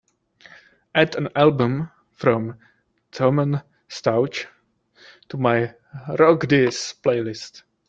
Add an album from Thomen Stauch to my Rock This playlist.